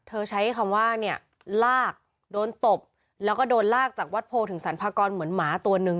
ใช้คำว่าเนี่ยลากโดนตบแล้วก็โดนลากจากวัดโพถึงสรรพากรเหมือนหมาตัวนึง